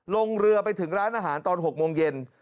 ลงเรือไปถึงร้านอาหารตอน๖โมงเย็น